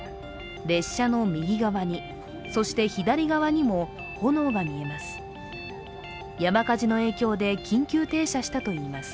列車の右側に、そして左側にも炎が見えます。